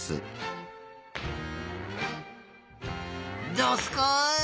どすこい！